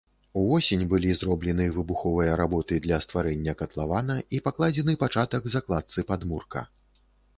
Увосень былі зроблены выбуховыя работы для стварэння катлавана і пакладзены пачатак закладцы падмурка.